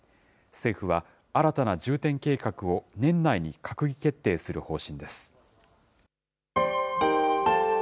政府は、新たな重点計画を年内に閣議決定する方針です。